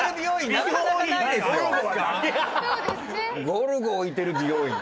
ゴルゴ置いてる美容院。